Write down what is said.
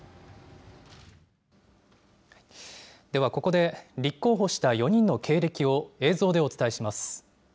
ではここで、立候補した４人の経歴を映像でお伝えします。